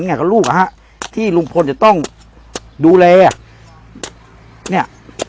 ไงกับลูกอ่ะฮะที่ลุงพลจะต้องดูแลอ่ะเนี่ย